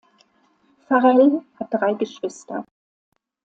Farrell hat drei Geschwister.